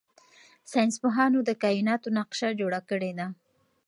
ساینس پوهانو د کائناتو نقشه جوړه کړې ده.